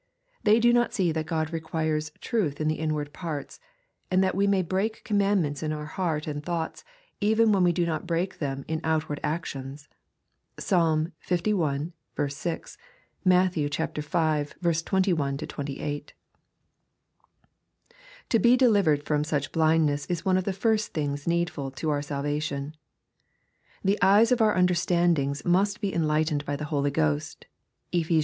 They do not se that God requires "truth in. the inward parts," and that we may break commandments in our heart and thoughts, even when we do not break them in outward actions. (Psalm li. 6. Matt. v. 21 28.) To be delivered from such blindness is one of the first things needful to our salvation. The eyes of our understandings must be enh'ghtened by the Holy Ghost. (Ephes.